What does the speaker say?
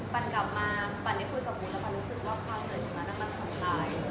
ปันกลับมาปันได้คุยกับบุญแล้วปันรู้สึกว่าข้าวเหนื่อยขึ้นมาแล้วมันทำร้าย